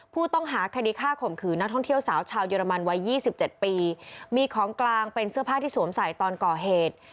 ผู้ต้องหาคดีฆ่าข่มขืนนักท่องเที่ยวสาวชาวเยอรมันวัยยี่สิบเจ็ดปีมีของกลางเป็นเสื้อผ้าที่สวมใส่ตอนก่อเหตุ